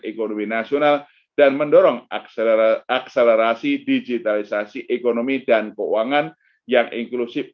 ekonomi nasional dan mendorong akselerasi digitalisasi ekonomi dan keuangan yang inklusif